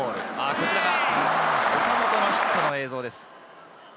こちらが岡本のヒットの映像です。